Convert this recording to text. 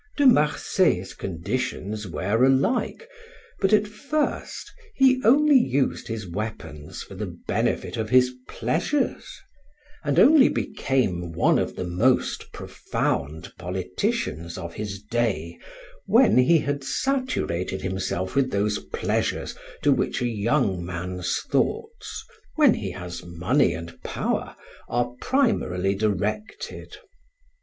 De Marsay's conditions were alike, but at first he only used his weapons for the benefit of his pleasures, and only became one of the most profound politicians of his day when he had saturated himself with those pleasures to which a young man's thoughts when he has money and power are primarily directed.